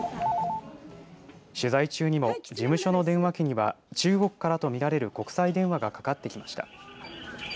取材中にも事務所の電話機には中国からと見られる国際電話がかかってきました。